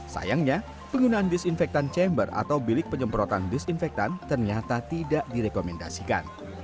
sayangnya penggunaan disinfektan chamber atau bilik penyemprotan disinfektan ternyata tidak direkomendasikan